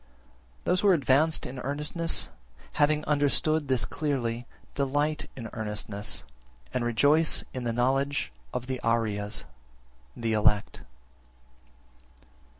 22. Those who are advanced in earnestness, having understood this clearly, delight in earnestness, and rejoice in the knowledge of the Ariyas (the elect).